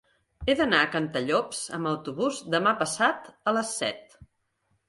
He d'anar a Cantallops amb autobús demà passat a les set.